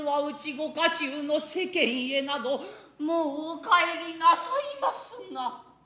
御家中の世間へなどもうお帰りなさいますな。